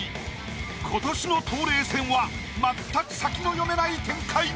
今年の冬麗戦は全く先の読めない展開に。